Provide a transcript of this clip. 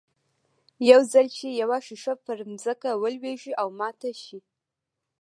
يو ځل چې يوه ښيښه پر ځمکه ولوېږي او ماته شي.